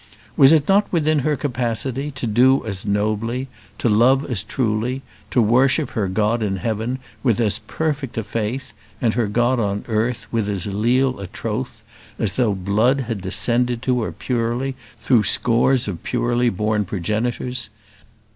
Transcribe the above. Was it not within her capacity to do as nobly, to love as truly, to worship her God in heaven with as perfect a faith, and her god on earth with as leal a troth, as though blood had descended to her purely through scores of purely born progenitors?